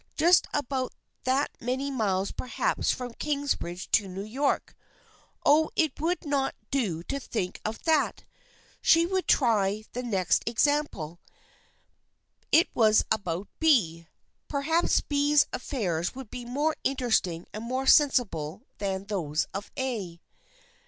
Just about that many miles perhaps from Kingsbridge to New York. Oh, it would not do to think of that ! She would try the 302 THE FRIENDSHIP OF ANNE 303 next example. It was about B. Perhaps B's af fairs would be more interesting and more sensible than those of A.